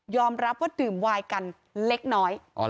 รับว่าดื่มวายกันเล็กน้อย